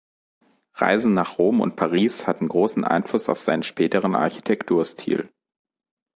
Reisen nach Rom und Paris hatten großen Einfluss auf seinen späteren Architekturstil.